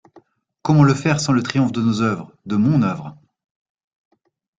Comment le faire sans le triomphe de nos œuvres, de mon œuvre?